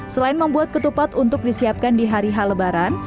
selain membuat ketupat untuk disiapkan di hari h lebaran